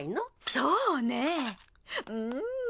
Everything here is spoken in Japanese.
そうねうん。